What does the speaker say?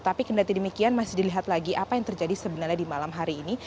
tapi kendali demikian masih dilihat lagi apa yang terjadi sebenarnya di malam hari ini